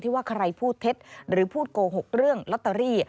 ว่าใครพูดเท็จหรือพูดโกหกเรื่องลอตเตอรี่